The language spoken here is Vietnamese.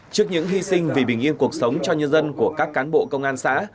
trước những hy sinh vì bình yên cuộc sống cho nhân dân của các cán bộ công an xã